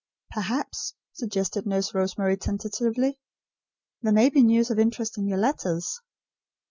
"Perhaps," suggested Nurse Rosemary, tentatively, "there may be news of interest in your letters."